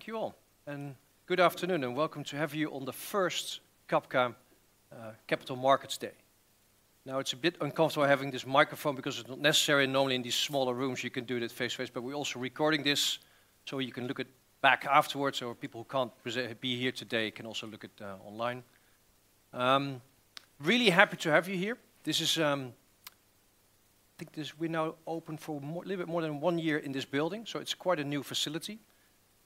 Thank you all, and good afternoon, and welcome to have you on the first Cabka Capital Markets Day. Now, it's a bit uncomfortable having this microphone because it's not necessary, normally in these smaller rooms, you can do it face-to-face, but we're also recording this so you can look it back afterwards, so people who can't be here today can also look at online. Really happy to have you here. This is, I think this we're now open for more, a little bit more than one year in this building, so it's quite a new facility,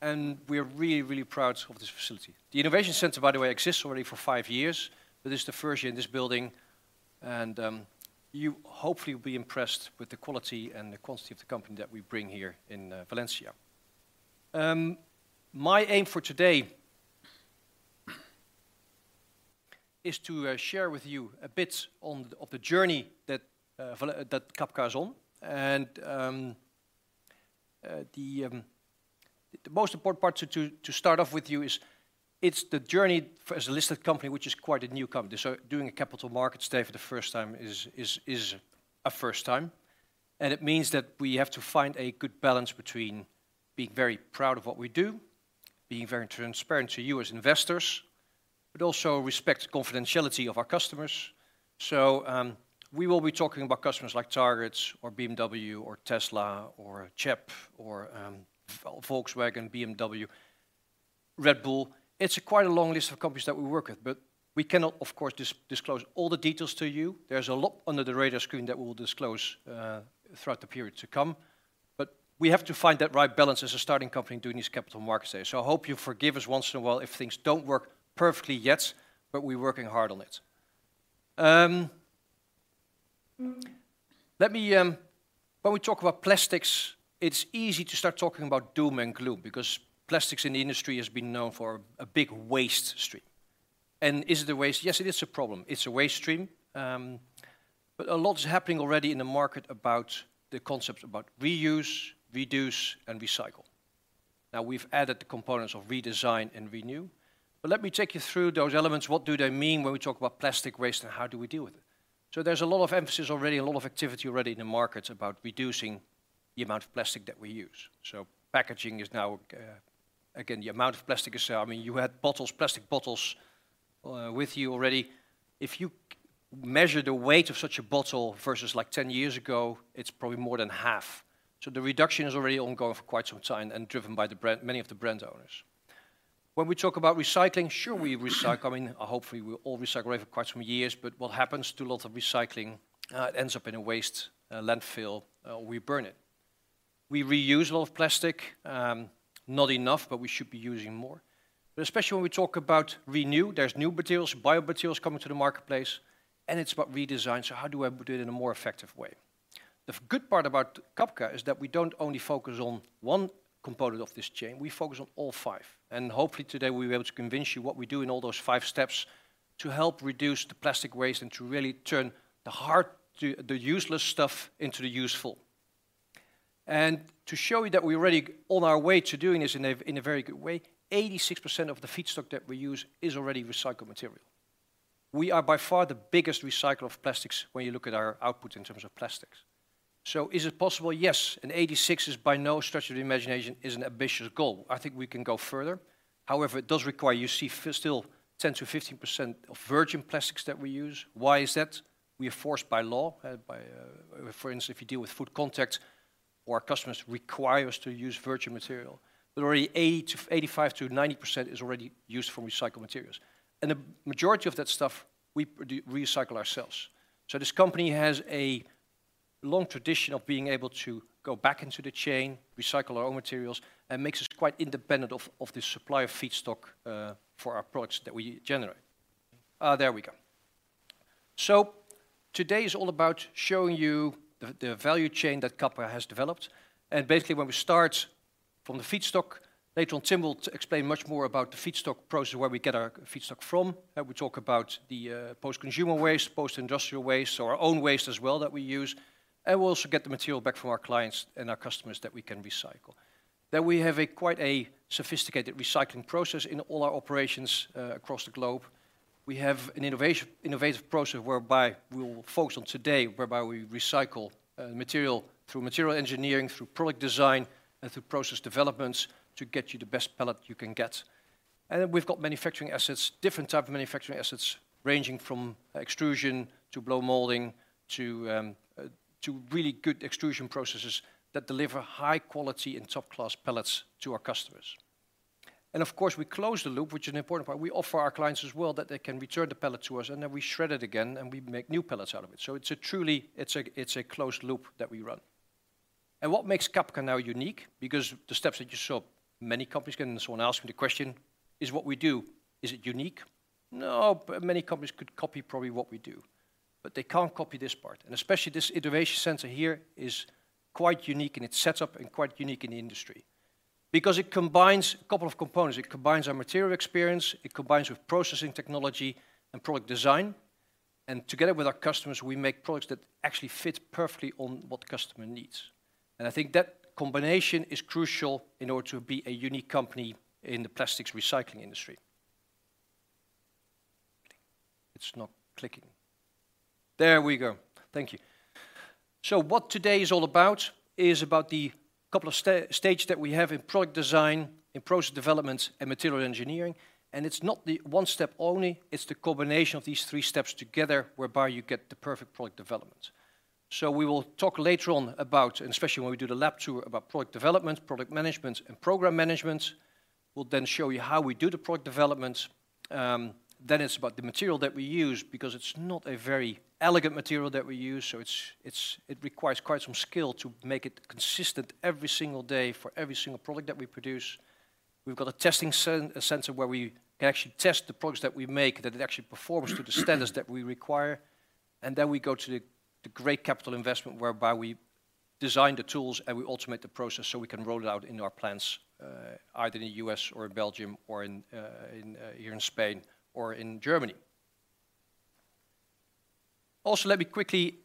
and we are really, really proud of this facility. The Innovation Center, by the way, exists already for five years, but this is the first year in this building, and you hopefully will be impressed with the quality and the quantity of the company that we bring here in Valencia. My aim for today is to share with you a bit on the journey that Cabka is on. The most important part to start off with you is, it's the journey as a listed company, which is quite a new company. So doing a Capital Markets Day for the first time is a first time, and it means that we have to find a good balance between being very proud of what we do, being very transparent to you as investors, but also respect the confidentiality of our customers. So, we will be talking about customers like Target or BMW or Tesla or CHEP, or Volkswagen, BMW, Red Bull. It's quite a long list of companies that we work with, but we cannot, of course, disclose all the details to you. There's a lot under the radar screen that we'll disclose throughout the period to come, but we have to find that right balance as a starting company doing this Capital Markets Day. So I hope you forgive us once in a while if things don't work perfectly yet, but we're working hard on it. When we talk about plastics, it's easy to start talking about doom and gloom because plastics in the industry has been known for a big waste stream. Is it a waste? Yes, it is a problem. It's a waste stream, but a lot is happening already in the market about the concept about reuse, reduce, and recycle. Now, we've added the components of redesign and renew, but let me take you through those elements. What do they mean when we talk about plastic waste, and how do we deal with it? So there's a lot of emphasis already, a lot of activity already in the market about reducing the amount of plastic that we use. So packaging is now, again, the amount of plastic is, I mean, you had bottles, plastic bottles, with you already. If you measure the weight of such a bottle versus, like, 10 years ago, it's probably more than half. So the reduction is already ongoing for quite some time and driven by the brand, many of the brand owners. When we talk about recycling, sure, we recycle. I mean, hopefully, we all recycle right for quite some years, but what happens to a lot of recycling, it ends up in a waste, landfill, or we burn it. We reuse a lot of plastic, not enough, but we should be using more. But especially when we talk about renew, there's new materials, bio materials coming to the marketplace, and it's about redesign, so how do I put it in a more effective way? The good part about Cabka is that we don't only focus on one component of this chain, we focus on all five. And hopefully today, we'll be able to convince you what we do in all those five steps to help reduce the plastic waste and to really turn the hard, to the useless stuff into the useful. And to show you that we're already on our way to doing this in a, in a very good way, 86% of the feedstock that we use is already recycled material. We are by far the biggest recycler of plastics when you look at our output in terms of plastics. So is it possible? Yes, and 86% is by no stretch of the imagination, is an ambitious goal. I think we can go further. However, it does require you see still 10%-15% of virgin plastics that we use. Why is that? We are forced by law, for instance, if you deal with food contacts or our customers require us to use virgin material. But already 85%-90% is already used from recycled materials, and the majority of that stuff we recycle ourselves. So this company has a long tradition of being able to go back into the chain, recycle our own materials, and makes us quite independent of, of the supply of feedstock, for our products that we generate. There we go. So today is all about showing you the, the value chain that Cabka has developed, and basically, when we start from the feedstock, later on, Tim will explain much more about the feedstock process, where we get our feedstock from. We talk about the, post-consumer waste, post-industrial waste, so our own waste as well that we use, and we'll also get the material back from our clients and our customers that we can recycle. Then we have a quite a sophisticated recycling process in all our operations, across the globe. We have an innovation, innovative process whereby we will focus on today, whereby we recycle, material through material engineering, through product design, and through process developments to get you the best pallet you can get. And then we've got manufacturing assets, different type of manufacturing assets, ranging from extrusion to blow molding to, to really good extrusion processes that deliver high quality and top-class pallets to our customers. And of course, we close the loop, which is an important part. We offer our clients as well that they can return the pallet to us, and then we shred it again, and we make new pallets out of it. So it's a truly, it's a, it's a closed loop that we run. And what makes Cabka now unique? Because the steps that you saw, many companies can, and someone asked me the question, "Is what we do, is it unique?" No, but many companies could copy probably what we do, but they can't copy this part, and especially this Innovation Center here is quite unique in its setup and quite unique in the industry. Because it combines a couple of components: It combines our material experience, it combines with processing technology and product design, and together with our customers, we make products that actually fit perfectly on what the customer needs. And I think that combination is crucial in order to be a unique company in the plastics recycling industry. It's not clicking. There we go. Thank you. So what today is all about, is about the couple of stages that we have in product design, in process development, and material engineering, and it's not the one step only, it's the combination of these three steps together, whereby you get the perfect product development. So we will talk later on about, and especially when we do the lab tour, about product development, product management, and program management. We'll then show you how we do the product development. Then it's about the material that we use, because it's not a very elegant material that we use, so it requires quite some skill to make it consistent every single day for every single product that we produce. We've got a testing center, where we can actually test the products that we make, that it actually performs to the standards that we require. And then we go to the great capital investment, whereby we design the tools, and we automate the process, so we can roll it out in our plants, either in the U.S. or in Belgium, or in here in Spain, or in Germany. Also, let me quickly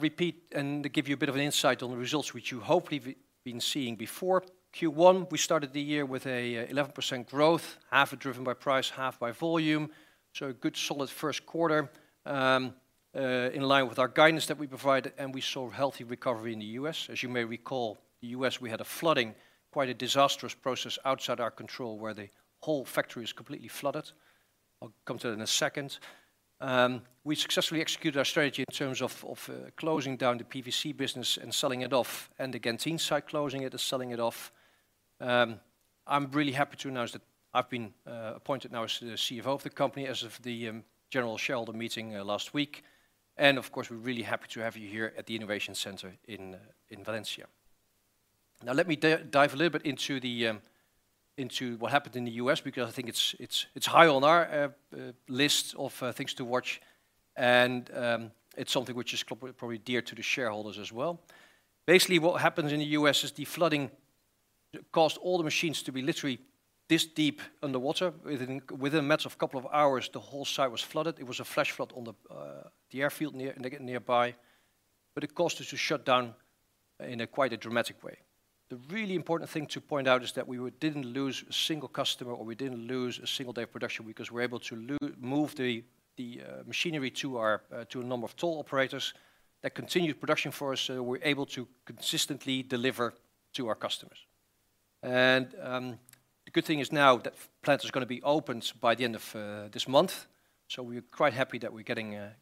repeat and give you a bit of an insight on the results, which you hopefully have been seeing before. Q1, we started the year with a 11% growth, half driven by price, half by volume, so a good, solid first quarter. In line with our guidance that we provided, and we saw healthy recovery in the U.S. As you may recall, the U.S., we had a flooding, quite a disastrous process outside our control, where the whole factory is completely flooded. I'll come to that in a second. We successfully executed our strategy in terms of closing down the PVC business and selling it off, and the Genthin site, closing it and selling it off. I'm really happy to announce that I've been appointed now as the CFO of the company, as of the General Shareholder Meeting last week. Of course, we're really happy to have you here at the Innovation Center in Valencia. Now, let me dive a little bit into what happened in the U.S., because I think it's high on our list of things to watch, and it's something which is probably dear to the shareholders as well. Basically, what happened in the U.S. is the flooding caused all the machines to be literally this deep underwater. Within a matter of a couple of hours, the whole site was flooded. It was a flash flood on the airfield nearby, but it caused us to shut down in quite a dramatic way. The really important thing to point out is that we didn't lose a single customer, or we didn't lose a single day of production, because we were able to move the machinery to our to a number of toll operators. That continued production for us, so we're able to consistently deliver to our customers. The good thing is now that plant is gonna be opened by the end of this month, so we're quite happy that we're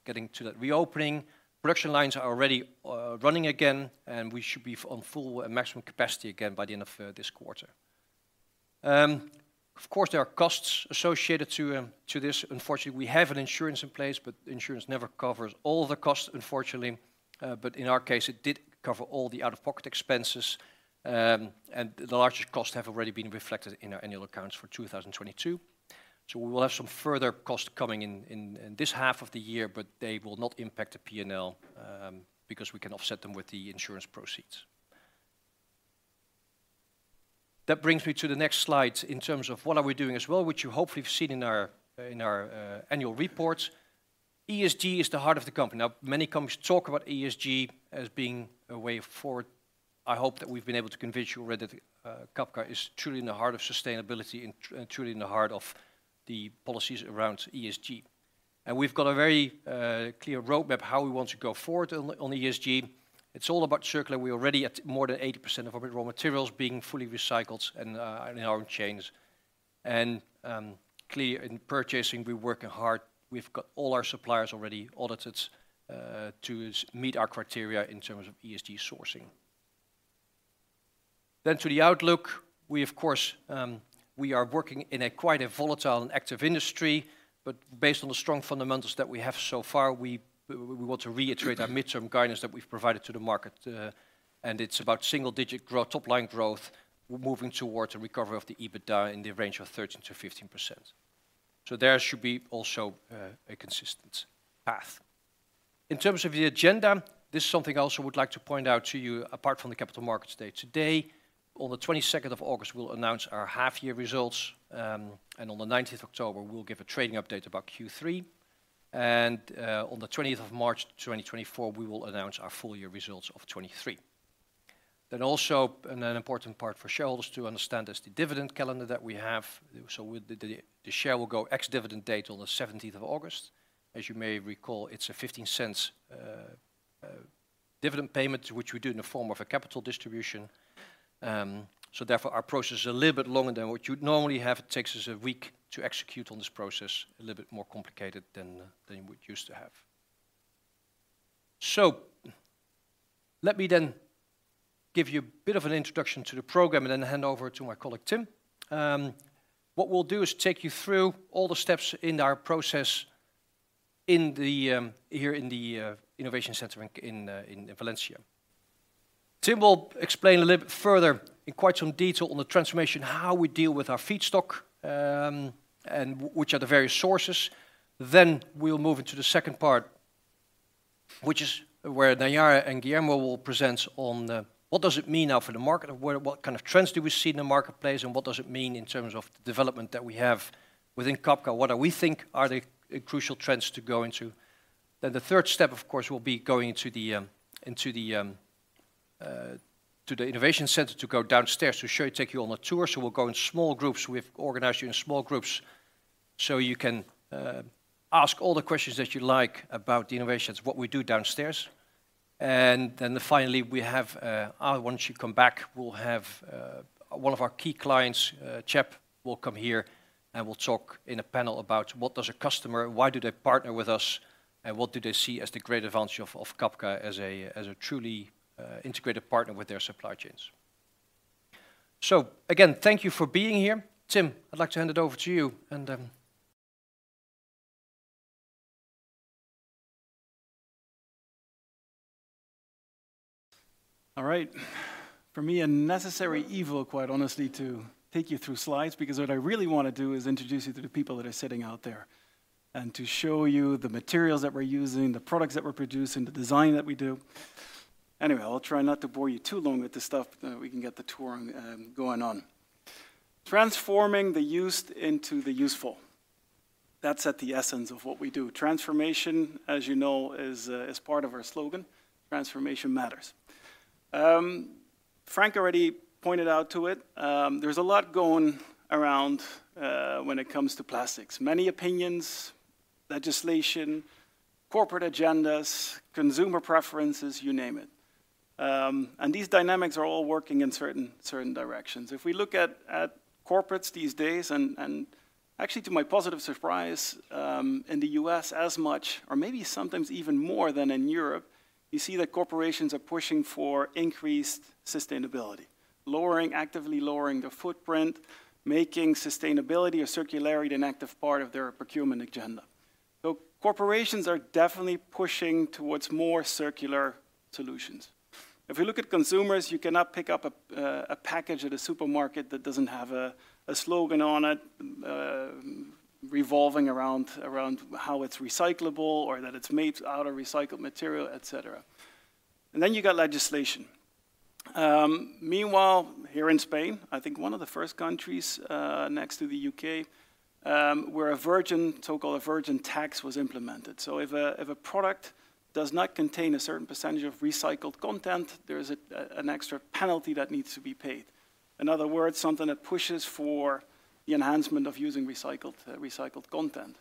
getting to that reopening. Production lines are already running again, and we should be on full maximum capacity again by the end of this quarter. Of course, there are costs associated to this. Unfortunately, we have an insurance in place, but insurance never covers all the costs, unfortunately. But in our case, it did cover all the out-of-pocket expenses, and the largest costs have already been reflected in our annual accounts for 2022. So we will have some further costs coming in this half of the year, but they will not impact the P&L, because we can offset them with the insurance proceeds. That brings me to the next slide in terms of what are we doing as well, which you hopefully have seen in our annual report. ESG is the heart of the company. Now, many companies talk about ESG as being a way forward. I hope that we've been able to convince you already that, Cabka is truly in the heart of sustainability and truly in the heart of the policies around ESG. And we've got a very, clear roadmap how we want to go forward on, on ESG. It's all about circular. We're already at more than 80% of our raw materials being fully recycled and, in our own chains. And, clear in purchasing, we're working hard. We've got all our suppliers already audited, to meet our criteria in terms of ESG sourcing. To the outlook, we of course, we are working in quite a volatile and active industry, but based on the strong fundamentals that we have so far, we want to reiterate our midterm guidance that we've provided to the market. And it's about single-digit growth, top-line growth, moving towards a recovery of the EBITDA in the range of 13%-15%. So there should be also a consistent path. In terms of the agenda, this is something I also would like to point out to you, apart from the Capital Markets Day. Today, on the 22nd of August, we'll announce our half-year results, and on the 19th October, we'll give a trading update about Q3, and on the 20th of March, 2024, we will announce our full-year results of 2023. An important part for shareholders to understand is the dividend calendar that we have. So the share will go ex-dividend on the 17th of August. As you may recall, it's a 0.15 dividend payment, which we do in the form of a capital distribution. So therefore, our process is a little bit longer than what you'd normally have. It takes us a week to execute on this process, a little bit more complicated than we're used to have. So let me then give you a bit of an introduction to the program and then hand over to my colleague, Tim. What we'll do is take you through all the steps in our process here in the Innovation Center in Valencia. Tim will explain a little bit further, in quite some detail, on the transformation, how we deal with our feedstock, and which are the various sources. Then we'll move into the second part, which is where Naiara and Guillermo will present on: What does it mean now for the market, and what kind of trends do we see in the marketplace, and what does it mean in terms of the development that we have within Cabka? What do we think are the crucial trends to go into? Then the third step, of course, will be going into the Innovation Center to go downstairs to show, take you on a tour. So we'll go in small groups. We've organized you in small groups, so you can ask all the questions that you'd like about the innovations, what we do downstairs. And then finally, we have once you come back, we'll have one of our key clients, CHEP, will come here, and we'll talk in a panel about what does a customer, why do they partner with us, and what do they see as the great advantage of Cabka as a truly integrated partner with their supply chains. So again, thank you for being here. Tim, I'd like to hand it over to you, and... All right. For me, a necessary evil, quite honestly, to take you through slides, because what I really wanna do is introduce you to the people that are sitting out there, and to show you the materials that we're using, the products that we're producing, the design that we do. Anyway, I'll try not to bore you too long with this stuff. We can get the tour going on. Transforming the used into the useful. That's at the essence of what we do. Transformation, as you know, is part of our slogan: Transformation Matters. Frank already pointed out to it. There's a lot going around when it comes to plastics. Many opinions, legislation, corporate agendas, consumer preferences, you name it. And these dynamics are all working in certain directions. If we look at corporates these days, and actually to my positive surprise, in the U.S. as much, or maybe sometimes even more than in Europe, you see that corporations are pushing for increased sustainability. Lowering, actively lowering their footprint, making sustainability or circularity an active part of their procurement agenda. So corporations are definitely pushing towards more circular solutions. If you look at consumers, you cannot pick up a package at a supermarket that doesn't have a slogan on it, revolving around how it's recyclable or that it's made out of recycled material, et cetera. And then you got legislation. Meanwhile, here in Spain, I think one of the first countries next to the U.K., where a virgin, so-called virgin tax was implemented. So if a product does not contain a certain percentage of recycled content, there is an extra penalty that needs to be paid. In other words, something that pushes for the enhancement of using recycled content.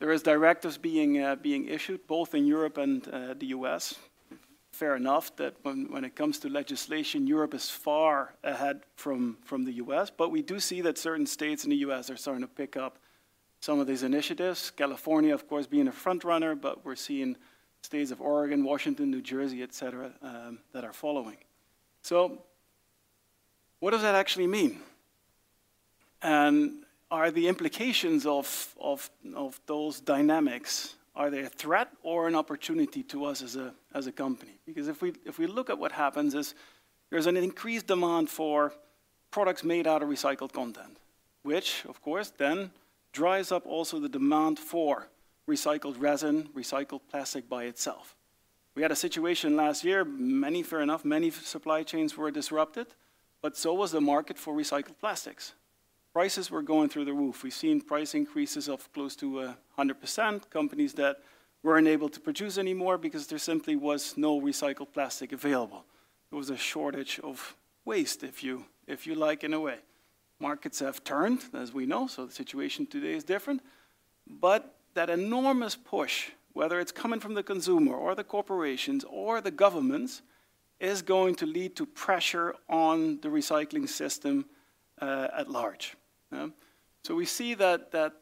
There is directives being issued both in Europe and the U.S. Fair enough, that when it comes to legislation, Europe is far ahead from the U.S., but we do see that certain states in the U.S. are starting to pick up some of these initiatives. California, of course, being a front runner, but we're seeing states of Oregon, Washington, New Jersey, et cetera, that are following. So what does that actually mean? And are the implications of those dynamics, are they a threat or an opportunity to us as a company? Because if we, if we look at what happens is, there's an increased demand for products made out of recycled content, which, of course, then dries up also the demand for recycled resin, recycled plastic by itself. We had a situation last year, many fair enough, many supply chains were disrupted, but so was the market for recycled plastics. Prices were going through the roof. We've seen price increases of close to 100%, companies that weren't able to produce anymore because there simply was no recycled plastic available. There was a shortage of waste, if you, if you like, in a way. Markets have turned, as we know, so the situation today is different. But that enormous push, whether it's coming from the consumer, or the corporations, or the governments, is going to lead to pressure on the recycling system at large. So we see that, that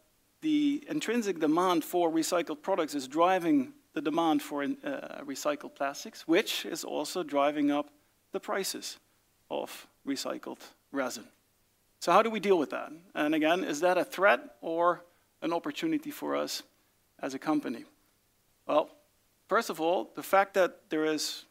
the intrinsic demand for recycled products is driving the demand for recycled plastics, which is also driving up the prices of recycled resin. So how do we deal with that? And again, is that a threat or an opportunity for us as a company? Well, first of all, the fact that there is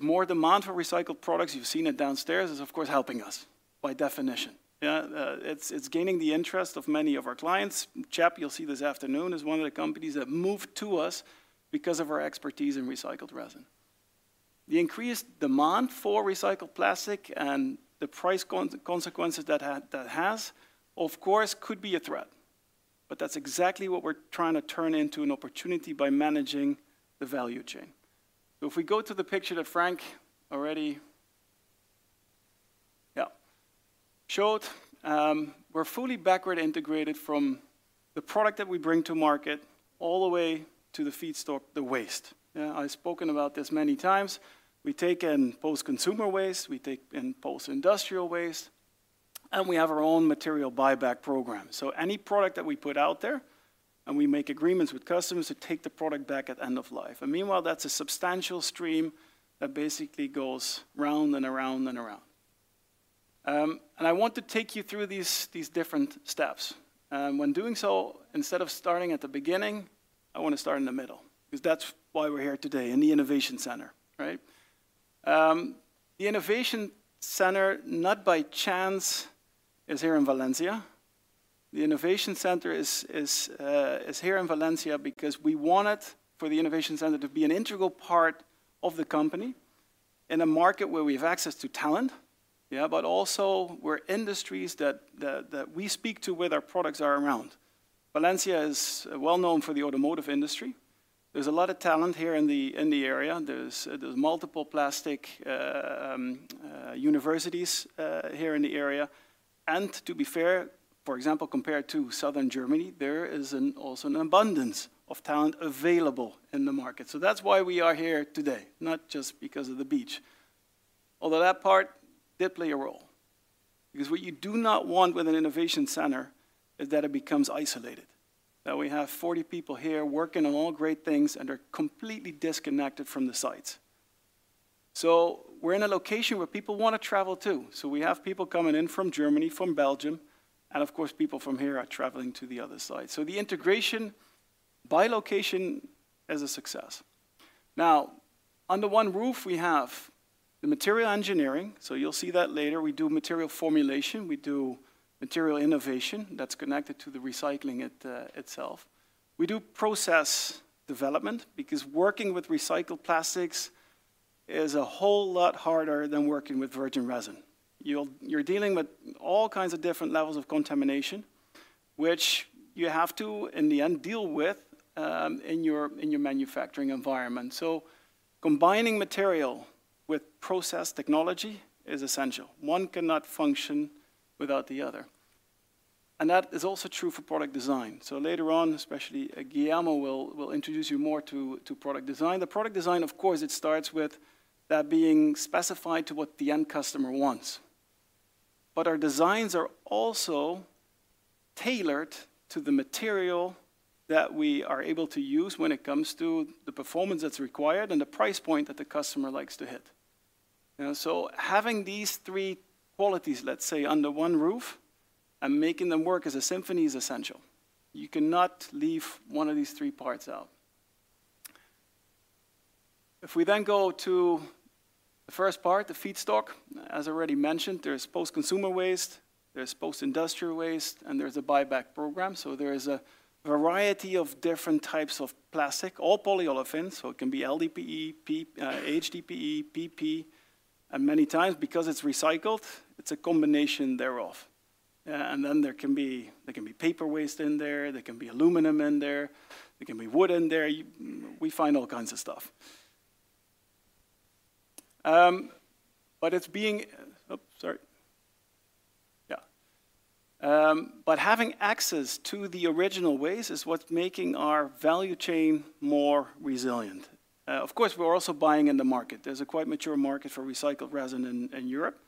more demand for recycled products, you've seen it downstairs, is of course helping us by definition. It's gaining the interest of many of our clients. CHEP, you'll see this afternoon, is one of the companies that moved to us because of our expertise in recycled resin. The increased demand for recycled plastic and the price consequences that has, of course, could be a threat, but that's exactly what we're trying to turn into an opportunity by managing the value chain. So if we go to the picture that Frank already, yeah, showed, we're fully backward integrated from the product that we bring to market all the way to the feedstock, the waste. Yeah, I've spoken about this many times. We take in post-consumer waste, we take in post-industrial waste, and we have our own material buyback program. So any product that we put out there, and we make agreements with customers to take the product back at end of life. And meanwhile, that's a substantial stream that basically goes round and around and around. And I want to take you through these different steps. When doing so, instead of starting at the beginning, I wanna start in the middle, 'cause that's why we're here today, in the Innovation Center, right? The Innovation Center, not by chance, is here in Valencia. The Innovation Center is here in Valencia because we want it, for the Innovation Center to be an integral part of the company, in a market where we have access to talent, yeah, but also where industries that we speak to, where our products are around. Valencia is well known for the automotive industry. There's a lot of talent here in the area. There's multiple plastic universities here in the area. And to be fair, for example, compared to Southern Germany, there is also an abundance of talent available in the market. So that's why we are here today, not just because of the beach. Although that part did play a role, because what you do not want with an Innovation Center is that it becomes isolated. That we have 40 people here working on all great things and are completely disconnected from the sites. So we're in a location where people wanna travel to, so we have people coming in from Germany, from Belgium, and of course, people from here are traveling to the other side. So the integration by location is a success. Now, under one roof, we have the material engineering, so you'll see that later. We do material formulation, we do material innovation, that's connected to the recycling itself. We do process development, because working with recycled plastics is a whole lot harder than working with virgin resin. You're dealing with all kinds of different levels of contamination, which you have to, in the end, deal with in your manufacturing environment. So combining material with process technology is essential. One cannot function without the other, and that is also true for product design. So later on, especially, Guillermo will introduce you more to product design. The product design, of course, starts with that being specified to what the end customer wants. But our designs are also tailored to the material that we are able to use when it comes to the performance that's required and the price point that the customer likes to hit. So having these three qualities, let's say, under one roof and making them work as a symphony is essential. You cannot leave one of these three parts out. If we then go to the first part, the feedstock, as already mentioned, there's post-consumer waste, there's post-industrial waste, and there's a buyback program. So there is a variety of different types of plastic, all polyolefins, so it can be LDPE, PE, HDPE, PP, and many times, because it's recycled, it's a combination thereof. And then there can be paper waste in there, there can be aluminum in there, there can be wood in there. We find all kinds of stuff. But having access to the original waste is what's making our value chain more resilient. Of course, we're also buying in the market. There's a quite mature market for recycled resin in Europe.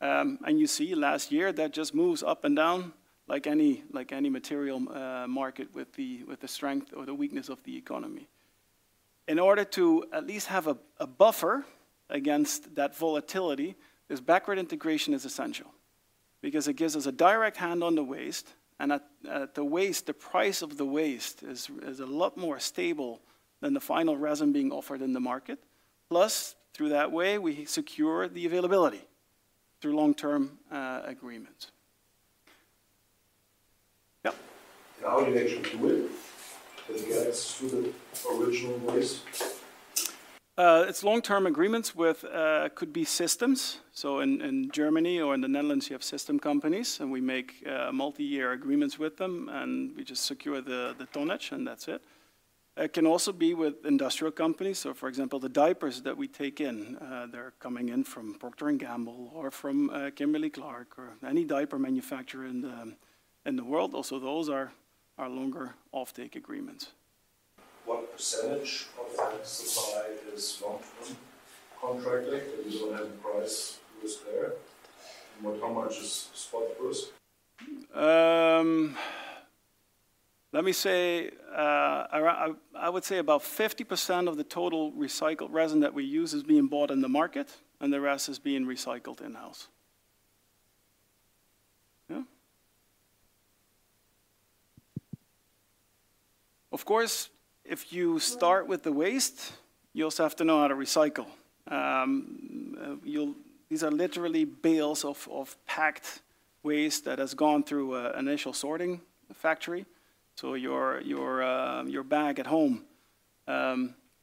And you see last year, that just moves up and down like any, like any material market with the, with the strength or the weakness of the economy. In order to at least have a, a buffer against that volatility, this backward integration is essential because it gives us a direct hand on the waste, and at the waste, the price of the waste is, is a lot more stable than the final resin being offered in the market. Plus, through that way, we secure the availability through long-term, agreements. Yeah. How do you make sure to it, that it gets to the original waste? It's long-term agreements with could be systems. So in Germany or in the Netherlands, you have system companies, and we make multi-year agreements with them, and we just secure the tonnage, and that's it. It can also be with industrial companies. So for example, the diapers that we take in, they're coming in from Procter & Gamble or from Kimberly-Clark or any diaper manufacturer in the world. Also, those are longer offtake agreements. What percentage of that supply is long-term contracted, that you don't have the price risk there? And what, how much is spot risk? Let me say, I would say about 50% of the total recycled resin that we use is being bought in the market, and the rest is being recycled in-house. Yeah. Of course, if you start with the waste, you also have to know how to recycle. These are literally bales of packed waste that has gone through initial sorting factory. So your bag at home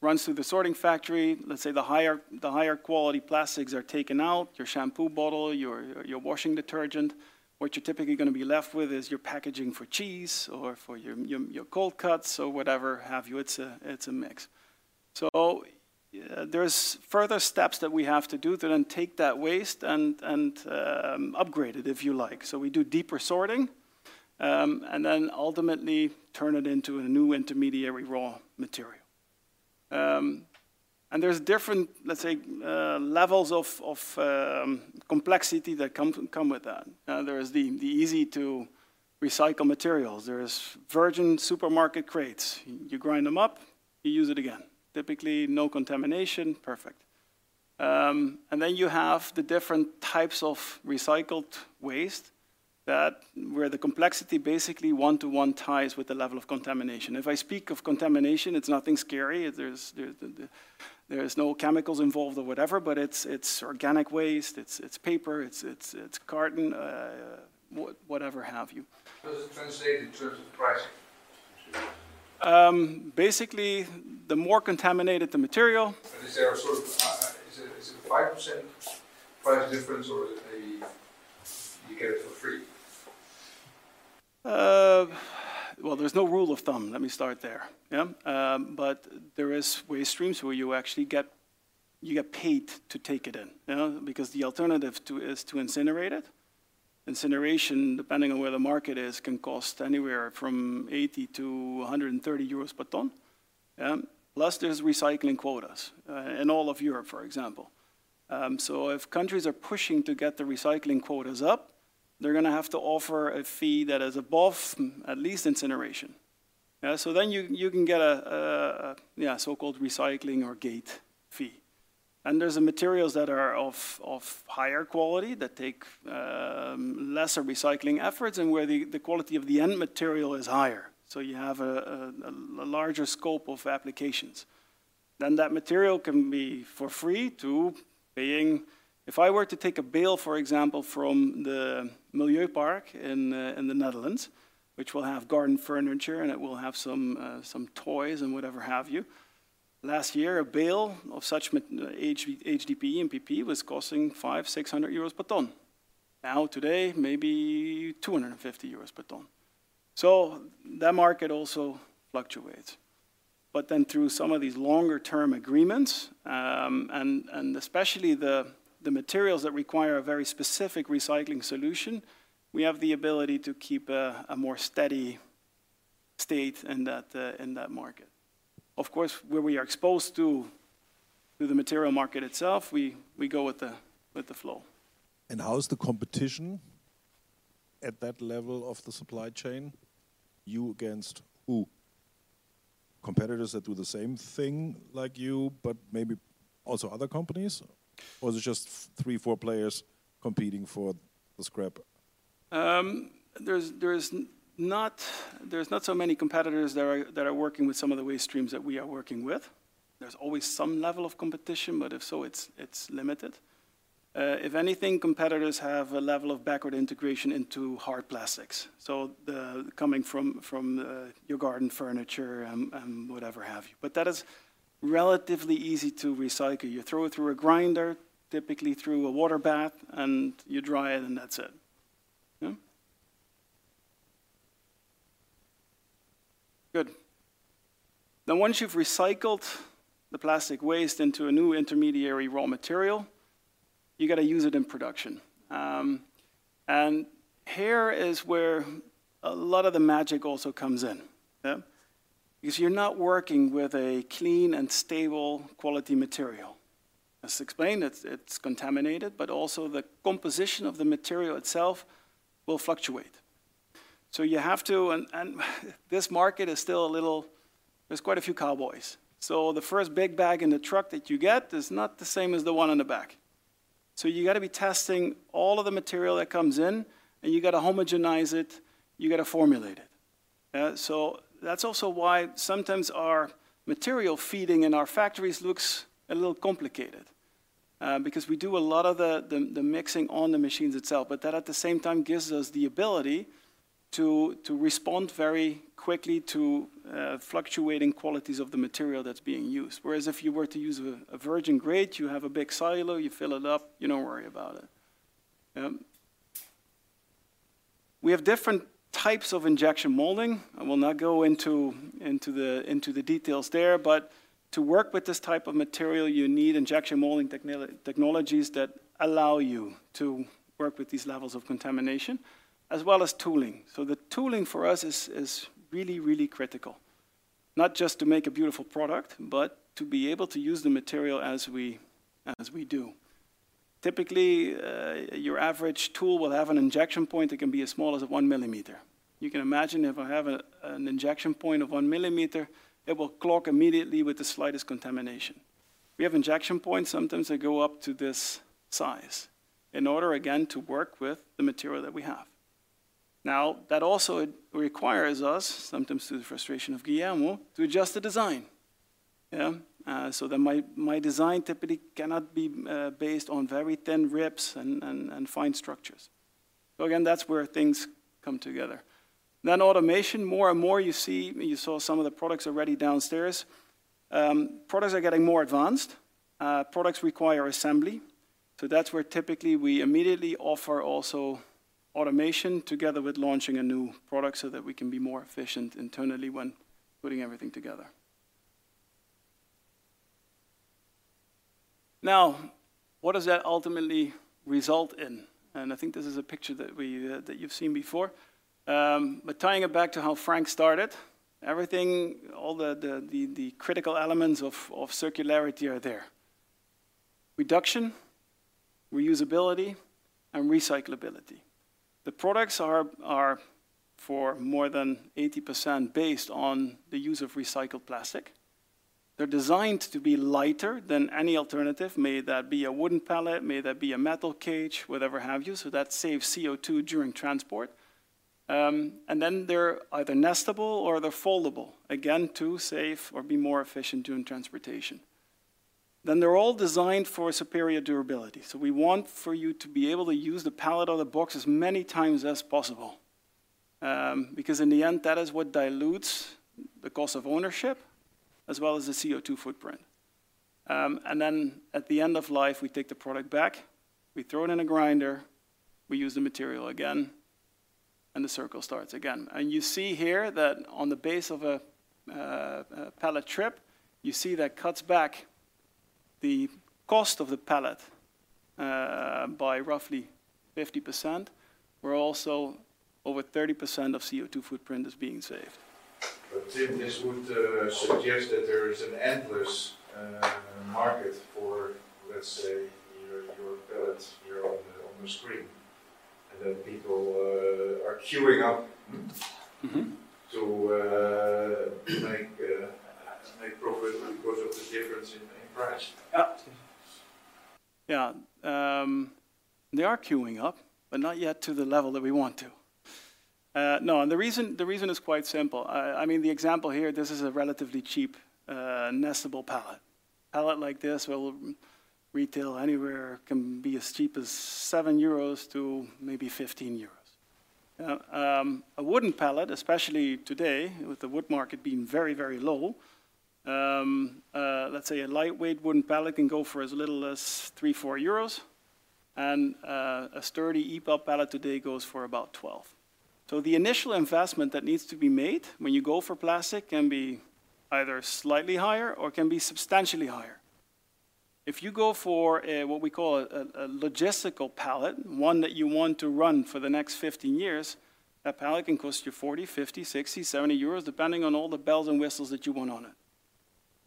runs through the sorting factory. Let's say the higher quality plastics are taken out, your shampoo bottle, your washing detergent. What you're typically gonna be left with is your packaging for cheese or for your cold cuts or whatever have you. It's a mix. So, there's further steps that we have to do to then take that waste and upgrade it, if you like. So we do deeper sorting, and then ultimately turn it into a new intermediary raw material. And there's different, let's say, levels of complexity that come with that. There is the easy-to-recycle materials. There is virgin supermarket crates. You grind them up, you use it again. Typically, no contamination, perfect. And then you have the different types of recycled waste that, where the complexity, basically one-to-one ties with the level of contamination. If I speak of contamination, it's nothing scary. There's no chemicals involved or whatever, but it's organic waste, it's paper, it's carton, whatever have you. How does it translate in terms of pricing? Basically, the more contaminated the material- But is there a sort of, is it a 5% price difference, or is it you get it for free? Well, there's no rule of thumb. Let me start there. Yeah. But there is waste streams where you actually get, you get paid to take it in, you know, because the alternative to is to incinerate it. Incineration, depending on where the market is, can cost anywhere from 80 to 130 euros per ton. Plus there's recycling quotas in all of Europe, for example. So if countries are pushing to get the recycling quotas up, they're gonna have to offer a fee that is above at least incineration. So then you can get a yeah so-called recycling or gate fee. And there's the materials that are of higher quality, that take lesser recycling efforts and where the quality of the end material is higher. So you have a larger scope of applications. Then that material can be for free to paying, if I were to take a bale, for example, from the Milieupark in the Netherlands, which will have garden furniture, and it will have some toys, and whatever have you. Last year, a bale of such HDPE and PP was costing 500-600 euros per ton. Now, today, maybe 250 euros per ton. So that market also fluctuates. But then through some of these longer-term agreements, and especially the materials that require a very specific recycling solution, we have the ability to keep a more steady state in that market. Of course, where we are exposed to the material market itself, we go with the flow. How is the competition at that level of the supply chain? You against who? Competitors that do the same thing like you, but maybe also other companies, or is it just three, four players competing for the scrap? There's not so many competitors that are working with some of the waste streams that we are working with. There's always some level of competition, but if so, it's limited. If anything, competitors have a level of backward integration into hard plastics, so coming from your garden furniture and whatever have you. But that is relatively easy to recycle. You throw it through a grinder, typically through a water bath, and you dry it, and that's it. Yeah. Good. Now, once you've recycled the plastic waste into a new intermediary raw material, you gotta use it in production. And here is where a lot of the magic also comes in. Yeah. Because you're not working with a clean and stable quality material. As explained, it's contaminated, but also the composition of the material itself will fluctuate. So you have to. And this market is still a little. There's quite a few cowboys. So the first big bag in the truck that you get is not the same as the one on the back. So you gotta be testing all of the material that comes in, and you gotta homogenize it, you gotta formulate it. So that's also why sometimes our material feeding in our factories looks a little complicated, because we do a lot of the mixing on the machines itself. But that, at the same time, gives us the ability to respond very quickly to fluctuating qualities of the material that's being used. Whereas if you were to use a virgin grade, you have a big silo, you fill it up, you don't worry about it. We have different types of injection molding. I will not go into the details there, but to work with this type of material, you need injection molding technologies that allow you to work with these levels of contamination, as well as tooling. So the tooling for us is really critical. Not just to make a beautiful product, but to be able to use the material as we do. Typically, your average tool will have an injection point that can be as small as 1 mm. You can imagine, if I have an injection point of one millimeter, it will clog immediately with the slightest contamination. We have injection points, sometimes they go up to this size, in order, again, to work with the material that we have. Now, that also it requires us, sometimes to the frustration of Guillermo, to adjust the design. Yeah. So then my design typically cannot be based on very thin [rips] and fine structures. So again, that's where things come together. Then automation, more and more you see. You saw some of the products already downstairs. Products are getting more advanced. Products require assembly, so that's where typically we immediately offer also automation together with launching a new product, so that we can be more efficient internally when putting everything together. Now, what does that ultimately result in? And I think this is a picture that we, that you've seen before. But tying it back to how Frank started, everything, all the critical elements of circularity are there: reduction, reusability, and recyclability. The products are for more than 80% based on the use of recycled plastic. They're designed to be lighter than any alternative, may that be a wooden pallet, may that be a metal cage, whatever have you, so that saves CO2 during transport. And then they're either nestable or they're foldable, again, to save or be more efficient during transportation. Then they're all designed for superior durability. So we want for you to be able to use the pallet or the box as many times as possible. Because in the end, that is what dilutes the cost of ownership, as well as the CO2 footprint. And then at the end of life, we take the product back, we throw it in a grinder, we use the material again, and the circle starts again. You see here that on the base of a pallet trip, you see that cuts back the cost of the pallet by roughly 50%, where also over 30% of CO2 footprint is being saved. But then this would suggest that there is an endless market for, let's say, your pallets here on the screen, and that people are queuing up- Mm-hmm -to make profit because of the difference in price? Yeah. Yeah, they are queuing up, but not yet to the level that we want to. No, and the reason, the reason is quite simple. I mean, the example here, this is a relatively cheap, nestable pallet. A pallet like this will retail anywhere, can be as cheap as 7 euros to maybe 15 euros. A wooden pallet, especially today, with the wood market being very, very low, let's say a lightweight wooden pallet can go for as little as 3-4 euros, and, a sturdy EPAL pallet today goes for about 12. So the initial investment that needs to be made when you go for plastic can be either slightly higher or can be substantially higher. If you go for a, what we call a logistical pallet, one that you want to run for the next 15 years, that pallet can cost you 40, 50, 60, 70 euros, depending on all the bells and whistles that you want on it.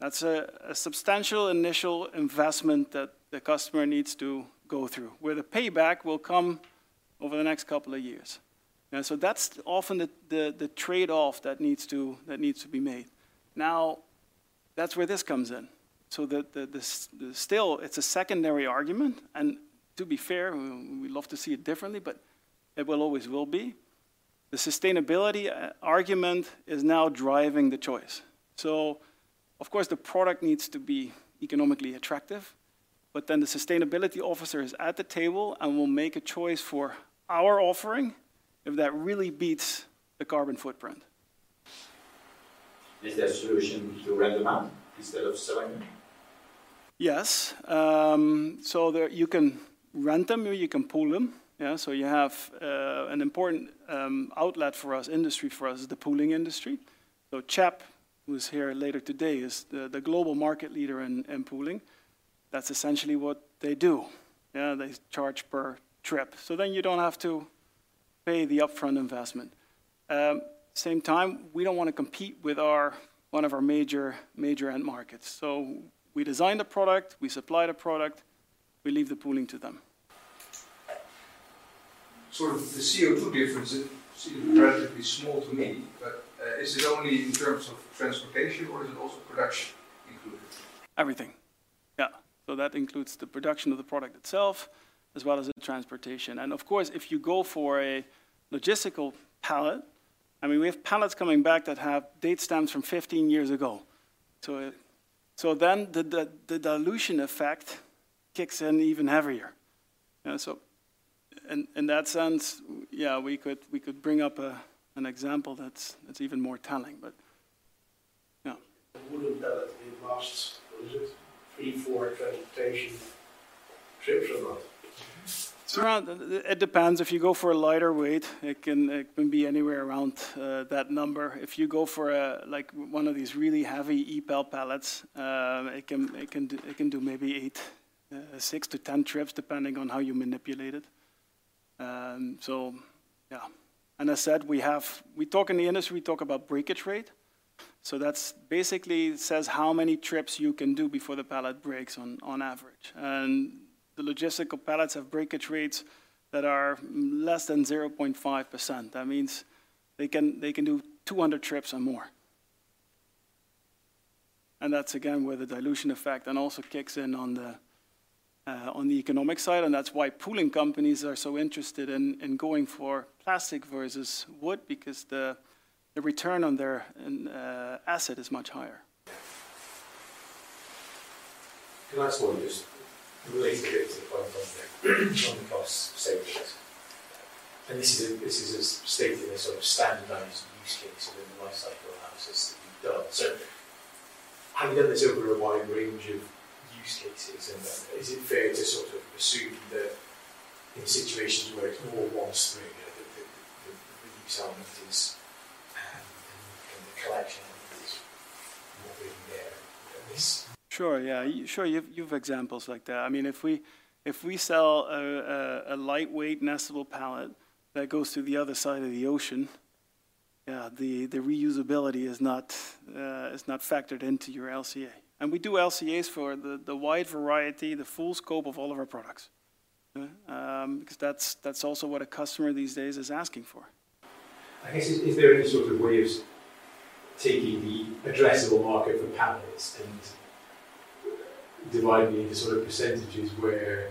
That's a substantial initial investment that the customer needs to go through, where the payback will come over the next couple of years. And so that's often the trade-off that needs to be made. Now, that's where this comes in. So this, still, it's a secondary argument, and to be fair, we'd love to see it differently, but it will always will be. The sustainability argument is now driving the choice. Of course, the product needs to be economically attractive, but then the sustainability officer is at the table and will make a choice for our offering if that really beats the carbon footprint. Is there a solution to rent them out instead of selling them? Yes. So there you can rent them, or you can pool them. Yeah, so you have, an important, outlet for us, industry for us is the pooling industry. So CHEP, who's here later today, is the, the global market leader in, in pooling. That's essentially what they do. Yeah, they charge per trip. So then you don't have to pay the upfront investment. Same time, we don't want to compete with our-- one of our major, major end markets. So we design the product, we supply the product, we leave the pooling to them. The CO2 difference is seemingly relatively small to me, but is it only in terms of transportation, or is it also production included? Everything. Yeah. So that includes the production of the product itself, as well as the transportation. And of course, if you go for a logistical pallet, I mean, we have pallets coming back that have date stamps from 15 years ago. So, then the dilution effect kicks in even heavier. So in that sense, yeah, we could bring up an example that's even more telling, but yeah. The wooden pallet, it lasts, is it three, four transportation trips or not? It depends. If you go for a lighter weight, it can be anywhere around that number. If you go for a, like, one of these really heavy EPAL pallets, it can do maybe eight, six to 10 trips, depending on how you manipulate it. So yeah. And I said we talk in the industry, we talk about breakage rate. So that's basically says how many trips you can do before the pallet breaks on average. And the logistical pallets have breakage rates that are less than 0.5%. That means they can do 200 trips or more. That's again, where the dilution effect then also kicks in on the economic side, and that's why pooling companies are so interested in going for plastic versus wood, because the return on their asset is much higher. The last one is related to the point on the cost savings. And this is a statement of standardized use case and then the life cycle analysis that you've done. So have you done this over a wide range of use cases? And is it fair to sort of assume that in situations where it's more one stream, the use element is, and the collection is more in there than this? Sure, yeah. Sure, you have examples like that. I mean, if we sell a lightweight nestable pallet that goes to the other side of the ocean, yeah, the reusability is not factored into your LCA. And we do LCAs for the wide variety, the full scope of all of our products. Because that's also what a customer these days is asking for. I guess, is there any sort of way of taking the addressable market for pallets and dividing into sort of percentages where,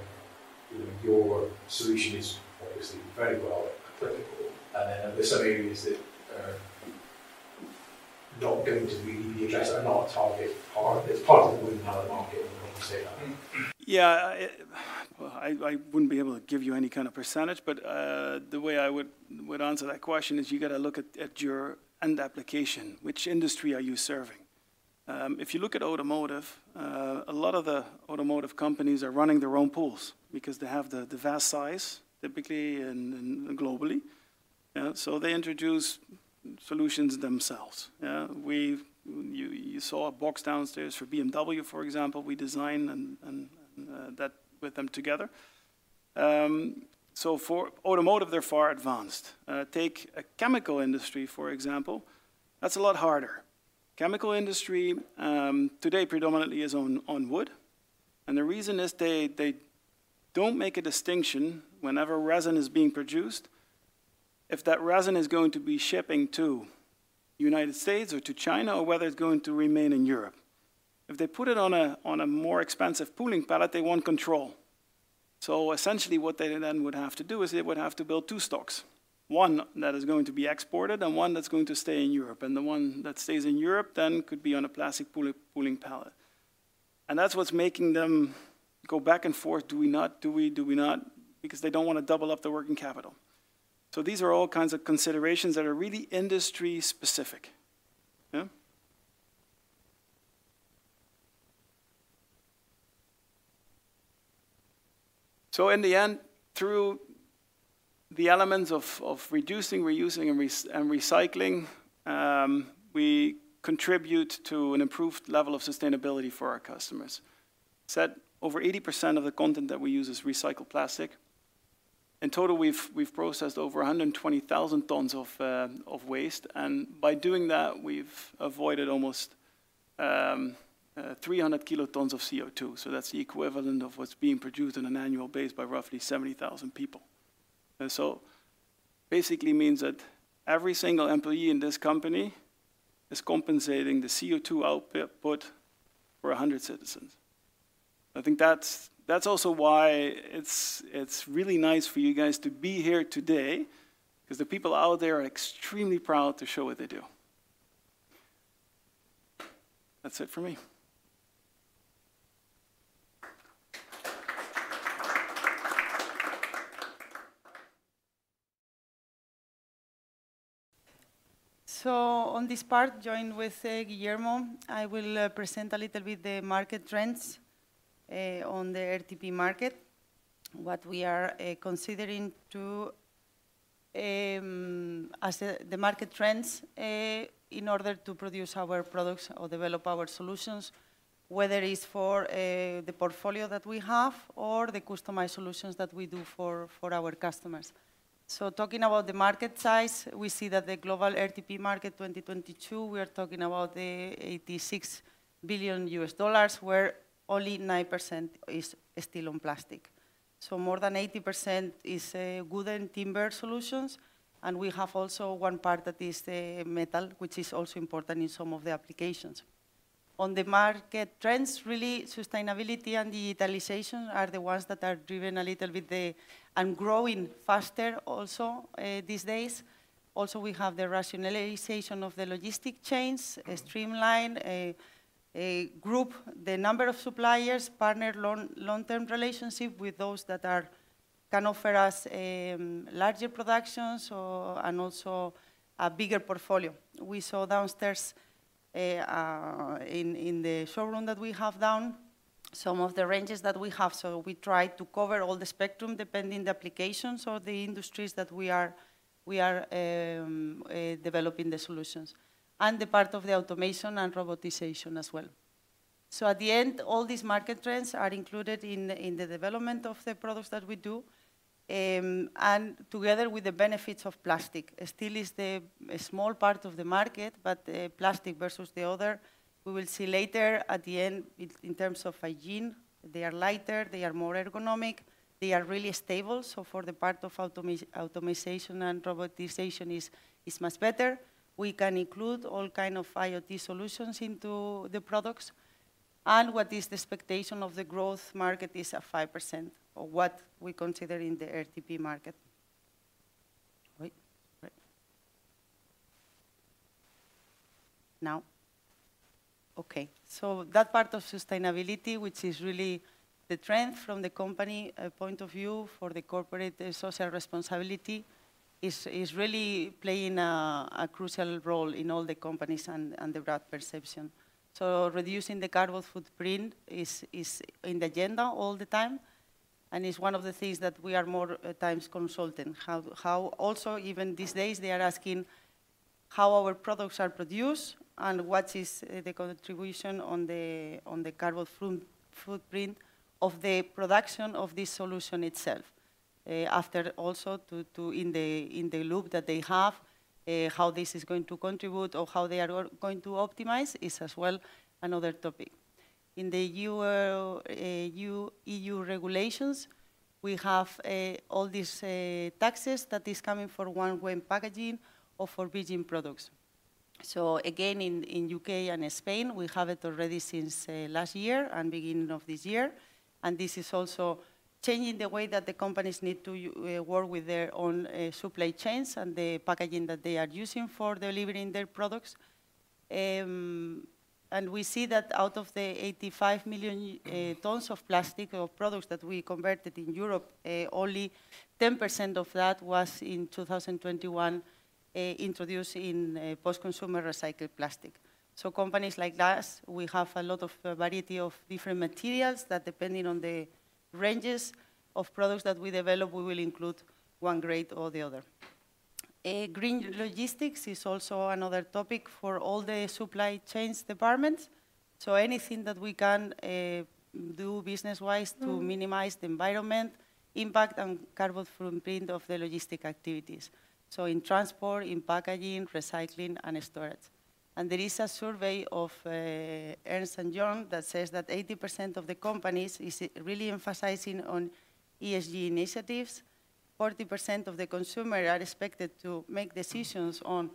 you know, your solution is obviously very well applicable, and there are some areas that are not going to really be addressed and not a target part. It's part of the wooden pallet market, if you say that. Yeah, well, I wouldn't be able to give you any kind of percentage, but, the way I would answer that question is you gotta look at your end application. Which industry are you serving? If you look at automotive, a lot of the automotive companies are running their own pools because they have the vast size, typically and globally. So they introduce solutions themselves. Yeah, you saw a box downstairs for BMW, for example, we designed and that with them together. So for automotive, they're far advanced. Take a chemical industry, for example, that's a lot harder. Chemical industry, today predominantly is on wood, and the reason is they don't make a distinction whenever resin is being produced, if that resin is going to be shipping to United States or to China, or whether it's going to remain in Europe. If they put it on a more expensive pooling pallet, they want control. So essentially, what they then would have to do is they would have to build two stocks: one that is going to be exported and one that's going to stay in Europe, and the one that stays in Europe then could be on a plastic pooling pallet. And that's what's making them go back and forth, do we not? Do we, do we not? Because they don't wanna double up the working capital. So these are all kinds of considerations that are really industry-specific. Yeah. So in the end, through the elements of reducing, reusing, and recycling, we contribute to an improved level of sustainability for our customers. Over 80% of the content that we use is recycled plastic. In total, we've processed over 120,000 tons of waste, and by doing that, we've avoided almost 300 kilotons of CO2. So that's the equivalent of what's being produced on an annual basis by roughly 70,000 people. So basically means that every single employee in this company is compensating the CO2 output for 100 citizens. I think that's also why it's really nice for you guys to be here today, 'cause the people out there are extremely proud to show what they do. That's it for me. So on this part, joined with Guillermo, I will present a little bit the market trends on the RTP market. What we are considering to as the, the market trends in order to produce our products or develop our solutions, whether it's for the portfolio that we have or the customized solutions that we do for, for our customers. So talking about the market size, we see that the global RTP market 2022, we are talking about $86 billion, where only 9% is still on plastic. So more than 80% is wood and timber solutions, and we have also one part that is metal, which is also important in some of the applications. On the market trends, really, sustainability and digitalization are the ones that are driven a little bit and growing faster also, these days. Also, we have the rationalization of the logistic chains, streamline, a group, the number of suppliers, partner long, long-term relationship with those that are can offer us, larger production, so, and also a bigger portfolio. We saw downstairs, in the showroom that we have down, some of the ranges that we have. So we try to cover all the spectrum, depending the applications or the industries that we are developing the solutions, and the part of the automation and robotization as well. So at the end, all these market trends are included in the development of the products that we do, and together with the benefits of plastic. Still is the, a small part of the market, but, plastic versus the other, we will see later at the end in, in terms of hygiene. They are lighter, they are more ergonomic, they are really stable, so for the part of automation and robotization is, is much better. We can include all kind of IoT solutions into the products. And what is the expectation of the growth market is 5% of what we consider in the RTP market. Wait. Now? Okay. So that part of sustainability, which is really the trend from the company, point of view, for the corporate social responsibility, is, is really playing a, a crucial role in all the companies and, and the brand perception. So reducing the carbon footprint is in the agenda all the time, and it's one of the things that we are more at times consulting. Also, even these days, they are asking how our products are produced and what is the contribution on the carbon footprint of the production of this solution itself. After also to in the loop that they have, how this is going to contribute or how they are going to optimize is as well another topic. In the EU regulations, we have all these taxes that is coming for one-way packaging or for virgin products. So again, in U.K. and Spain, we have it already since last year and beginning of this year, and this is also changing the way that the companies need to work with their own supply chains and the packaging that they are using for delivering their products. We see that out of the 85 million tons of plastic or products that we converted in Europe, only 10% of that was in 2021 introduced in post-consumer recycled plastic. So companies like us, we have a lot of variety of different materials that, depending on the ranges of products that we develop, we will include one grade or the other. Green logistics is also another topic for all the supply chains departments, so anything that we can do business-wise to minimize the environmental impact and carbon footprint of the logistics activities, so in transport, in packaging, recycling, and storage. There is a survey of Ernst & Young that says that 80% of the companies is really emphasizing on ESG initiatives. 40% of the consumer are expected to make decisions on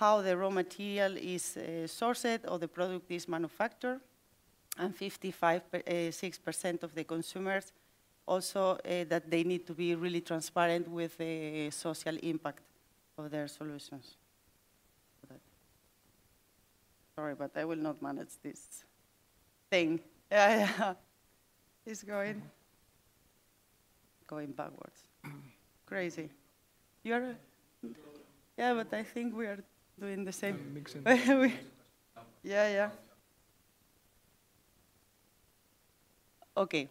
how the raw material is sourced or the product is manufactured, and 56% of the consumers also that they need to be really transparent with the social impact of their solutions. Sorry, but I will not manage this thing. It's going, going backwards. Crazy. You are, yeah, but I think we are doing the same. I'm mixing. Yeah, yeah. Okay.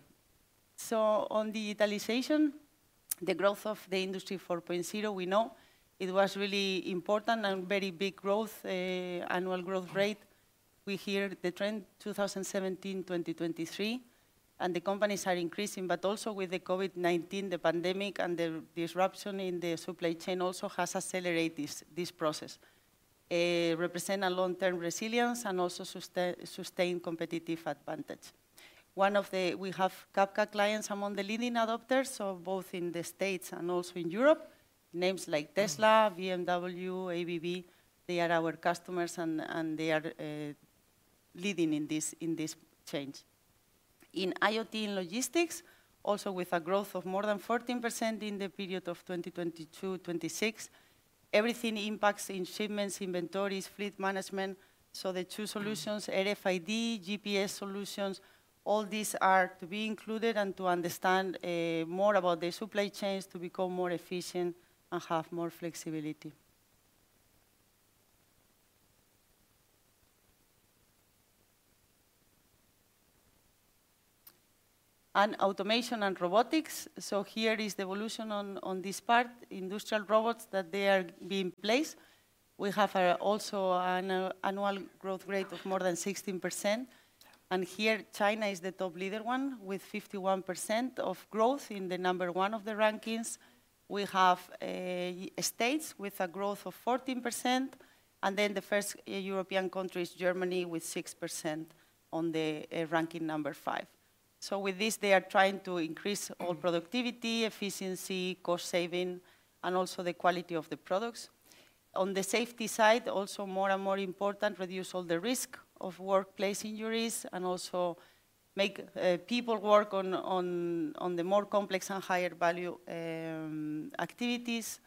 So on digitalization, the growth of the Industry 4.0, we know it was really important and very big growth, annual growth rate. We hear the trend 2017-2023, and the companies are increasing. But also with the COVID-19, the pandemic, and the disruption in the supply chain also has accelerated this, this process. Represent a long-term resilience and also sustain competitive advantage. One of the, we have Cabka clients among the leading adopters, so both in the States and also in Europe, names like Tesla, BMW, ABB, they are our customers, and, and they are, leading in this, in this change. In IoT and logistics, also with a growth of more than 14% in the period of 2022-2026, everything impacts in shipments, inventories, fleet management. The two solutions, RFID, GPS solutions, all these are to be included and to understand more about the supply chains to become more efficient and have more flexibility. Automation and robotics, so here is the evolution on this part, industrial robots, that they are being placed. We have also an annual growth rate of more than 16%, and here, China is the top leader one, with 51% of growth in the number one of the rankings. We have United States with a growth of 14%, and then the first European country is Germany, with 6% on the ranking number five. With this, they are trying to increase all productivity, efficiency, cost saving, and also the quality of the products. On the safety side, also more and more important, reduce all the risk of workplace injuries, and also make people work on, on, on the more complex and higher value activities.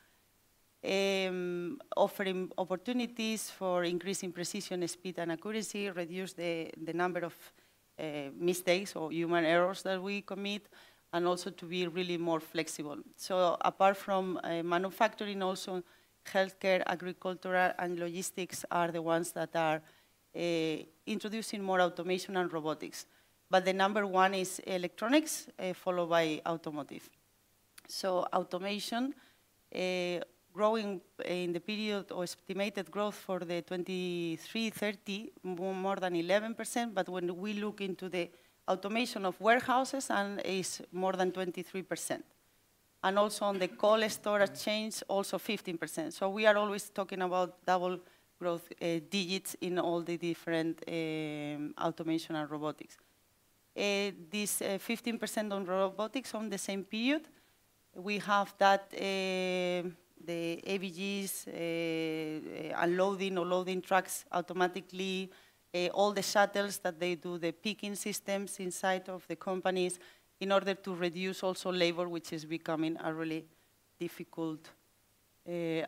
Offering opportunities for increasing precision, speed, and accuracy, reduce the number of mistakes or human errors that we commit, and also to be really more flexible. So apart from manufacturing, also healthcare, agricultural, and logistics are the ones that are introducing more automation and robotics. But the number one is electronics, followed by automotive. So automation growing in the period or estimated growth for the 2023-2030, more than 11%, but when we look into the automation of warehouses and is more than 23%, and also on the cold storage chains, also 15%. So we are always talking about double-digit growth in all the different automation and robotics. This 15% on robotics on the same period, we have that the AGVs are loading or loading trucks automatically, all the shuttles that they do the picking systems inside of the companies in order to reduce also labor, which is becoming a really difficult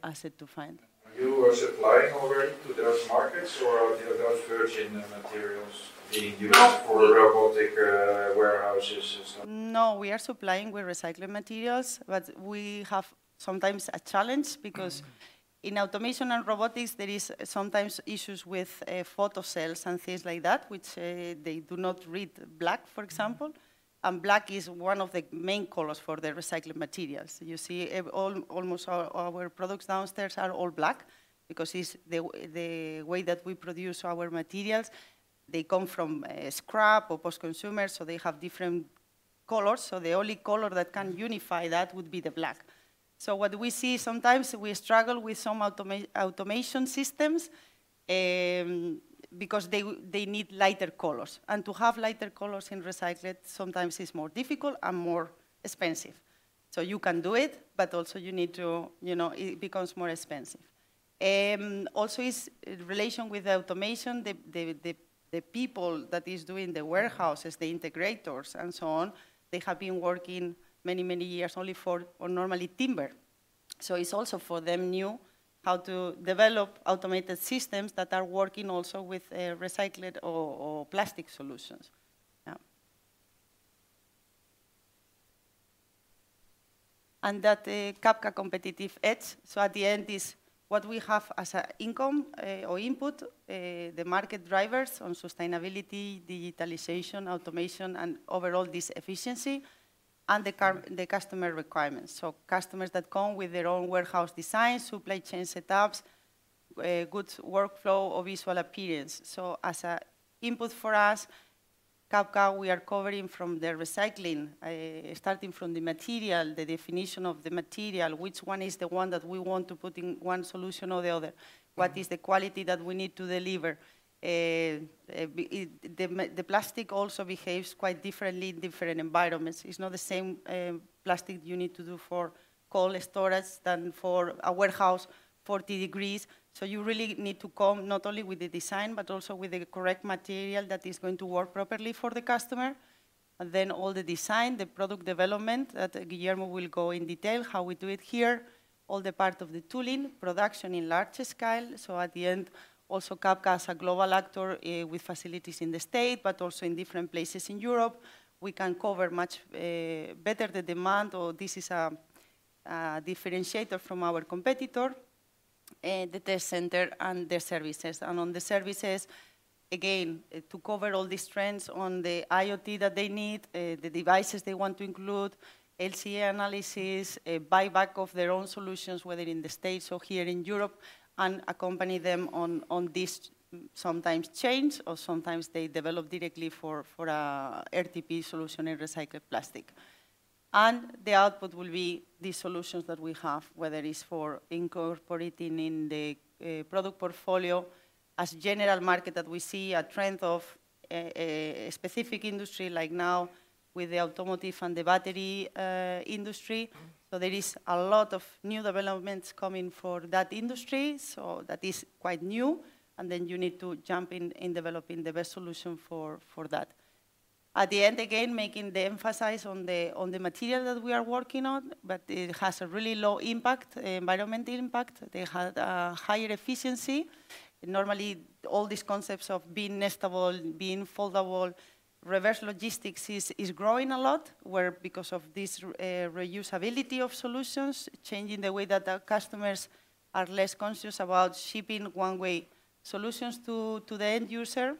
asset to find. Are you supplying already to those markets, or are those virgin materials being used for robotic warehouses and stuff? No, we are supplying with recycled materials, but we have sometimes a challenge because- Mm-hmm... in automation and robotics, there is sometimes issues with photocells and things like that, which they do not read black, for example, and black is one of the main colors for the recycled materials. You see, almost all our products downstairs are all black because it's the way that we produce our materials. They come from scrap or post-consumer, so they have different colors. So the only color that can unify that would be the black. So what we see, sometimes we struggle with some automation systems because they need lighter colors. And to have lighter colors in recycled, sometimes it's more difficult and more expensive. So you can do it, but also you need to, you know, it becomes more expensive. Also, in relation with automation, the people that is doing the warehouses, the integrators, and so on, they have been working many, many years only for, or normally timber. So it's also for them new how to develop automated systems that are working also with recycled or plastic solutions. And that the Cabka competitive edge, so at the end is what we have as a income, or input, the market drivers on sustainability, digitalization, automation, and overall this efficiency, and the customer requirements. So customers that come with their own warehouse design, supply chain setups, goods workflow or visual appearance. So as a input for us, Cabka, we are covering from the recycling, starting from the material, the definition of the material, which one is the one that we want to put in one solution or the other? What is the quality that we need to deliver? It, the plastic also behaves quite differently in different environments. It's not the same, plastic you need to do for cold storage than for a warehouse, 40 degrees. So you really need to come not only with the design, but also with the correct material that is going to work properly for the customer. And then all the design, the product development, that Guillermo will go in detail how we do it here, all the part of the tooling, production in large scale. So at the end, also, Cabka as a global actor, with facilities in the States, but also in different places in Europe, we can cover much better the demand, or this is a differentiator from our competitor, the test center and the services. And on the services, again, to cover all these trends on the IoT that they need, the devices they want to include, LCA analysis, a buyback of their own solutions, whether in the States or here in Europe, and accompany them on this sometimes change, or sometimes they develop directly for a RTP solution in recycled plastic. And the output will be the solutions that we have, whether it's for incorporating in the product portfolio. As general market that we see a trend of a specific industry, like now with the automotive and the battery industry. So there is a lot of new developments coming for that industry, so that is quite new, and then you need to jump in developing the best solution for that. At the end, again, making the emphasis on the material that we are working on, but it has a really low impact, environmental impact. They have higher efficiency. Normally, all these concepts of being nestable, being foldable, reverse logistics is growing a lot, where because of this reusability of solutions, changing the way that our customers are less conscious about shipping one-way solutions to the end user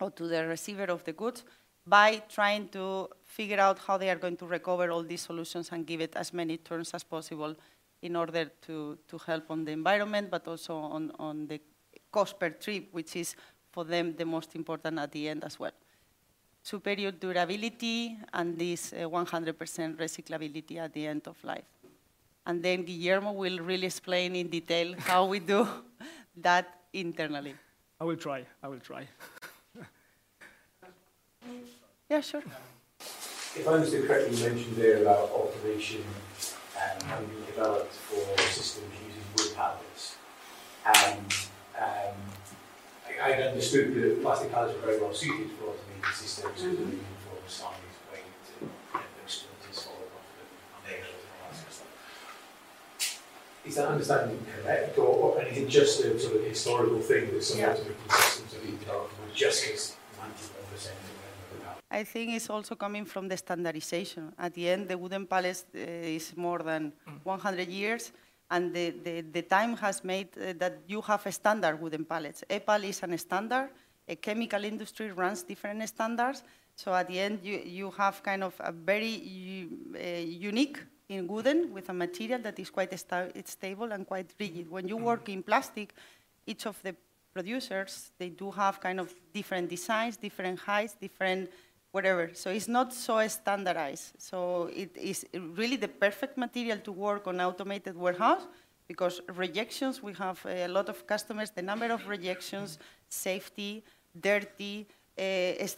or to the receiver of the goods by trying to figure out how they are going to recover all these solutions and give it as many turns as possible in order to help on the environment, but also on the cost per trip, which is, for them, the most important at the end as well. Superior durability and this 100% recyclability at the end of life. And then Guillermo will really explain in detail how we do that internally. I will try. I will try. Yeah, sure. If I understood correctly, you mentioned there about automation and having been developed for systems using wood pallets. And, I understood that plastic pallets are very well suited for automated systems Mm-hmm... is that understanding correct, or, and just a sort of historical thing with some systems that we've developed just 'cause? I think it's also coming from the standardization. At the end, the wooden pallets, is more than- Mm... 100 years, and the time has made that you have a standard wooden pallets. EPAL is a standard. A chemical industry runs different standards. So at the end, you have kind of a very unique in wooden, with a material that is quite stable and quite rigid. Mm-hmm. When you work in plastic, each of the producers, they do have kind of different designs, different heights, different whatever. So it's not so standardized. So it is really the perfect material to work on automated warehouse because rejections, we have a lot of customers, the number of rejections, safety, dirty, is,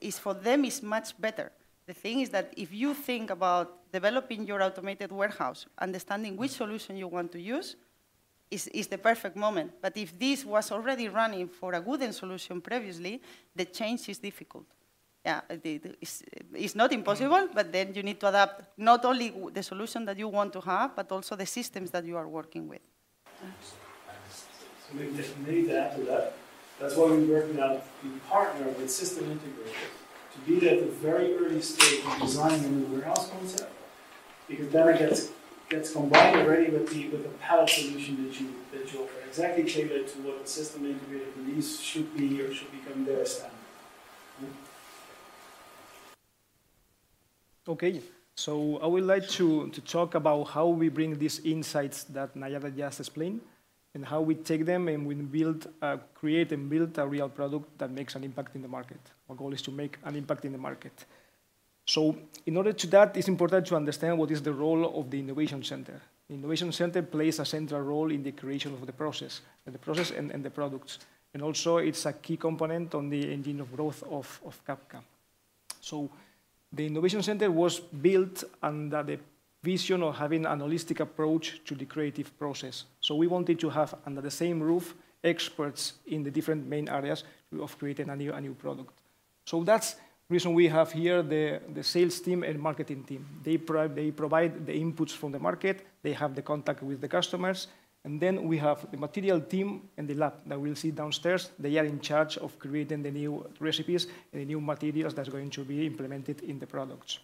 is for them, is much better. The thing is that if you think about developing your automated warehouse, understanding which solution you want to use is the perfect moment. But if this was already running for a wooden solution previously, the change is difficult. Yeah, it's not impossible- Mm... but then you need to adapt not only the solution that you want to have, but also the systems that you are working with. I understand. So we've just had to adapt to that. That's why we're working on partnering with system integrators to be there at the very early stage of designing a new warehouse concept, because then it gets combined already with the pallet solution that you're exactly tailored to what the system integrator needs should be or should become their standard. Mm. Okay, so I would like to talk about how we bring these insights that Naiara just explained, and how we take them, and we create and build a real product that makes an impact in the market. Our goal is to make an impact in the market. So in order to do that, it's important to understand what is the role of the Innovation Center. Innovation Center plays a central role in the creation of the process and the products. Also, it's a key component on the engine of growth of Cabka. The Innovation Center was built under the vision of having a holistic approach to the creative process. We wanted to have, under the same roof, experts in the different main areas of creating a new product. That's the reason we have here the sales team and marketing team. They provide the inputs from the market, they have the contact with the customers, and then we have the material team and the lab that we'll see downstairs. They are in charge of creating the new recipes and the new materials that's going to be implemented in the products.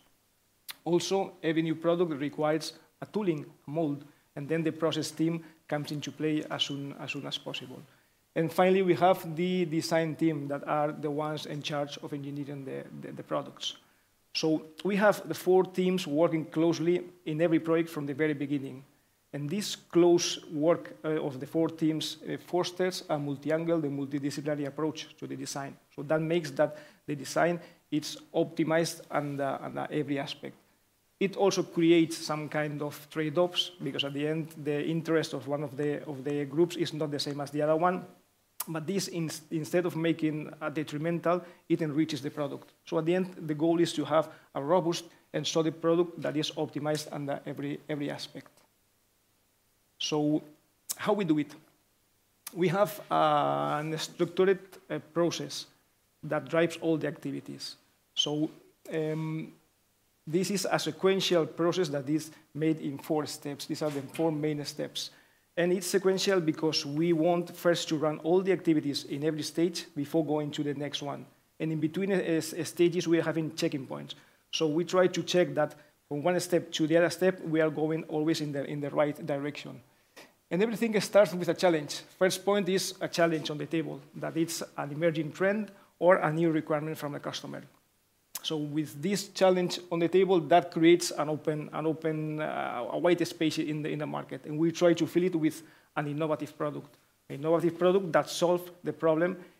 Also, every new product requires a tooling mold, and then the process team comes into play as soon as possible. Finally, we have the design team that are the ones in charge of engineering the products. So we have the four teams working closely in every project from the very beginning, and this close work of the four teams fosters a multidisciplinary approach to the design. So that makes that the design is optimized under every aspect. It also creates some kind of trade-offs, because at the end, the interest of one of the groups is not the same as the other one, but this instead of making detrimental, it enriches the product. So at the end, the goal is to have a robust and solid product that is optimized under every aspect. So how we do it? We have a structured process that drives all the activities. This is a sequential process that is made in four steps. These are the four main steps. It's sequential because we want first to run all the activities in every stage before going to the next one. In between the stages, we are having checking points. We try to check that from one step to the other step, we are going always in the right direction. Everything starts with a challenge. First point is a challenge on the table, that it's an emerging trend or a new requirement from a customer. With this challenge on the table, that creates an opening, a wider space in the market, and we try to fill it with an innovative product. Innovative product that solve the problem in a-